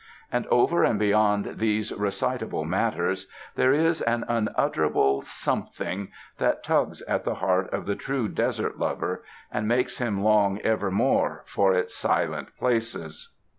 And over and beyond these recitable matters there is an un utterable something that tugs at the heart of the true desert lover, and makes him long evermore for its silent places.